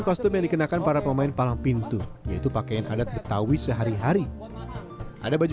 kostum yang dikenakan para pemain palang pintu yaitu pakaian adat betawi sehari hari ada baju